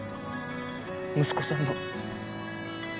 息子さんの